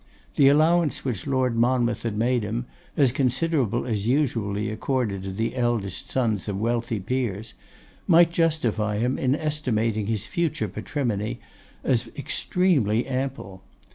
The allowance which Lord Monmouth had made him, as considerable as usually accorded to the eldest sons of wealthy peers, might justify him in estimating his future patrimony as extremely ample.